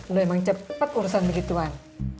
lo emang cepet urusan begituan